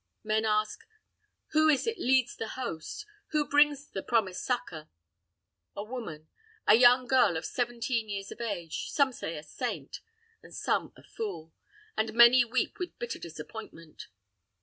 Men ask, Who is it leads the host? who brings the promised succor? A woman a young girl of seventeen years of age some say a saint and some a fool; and many weep with bitter disappointment.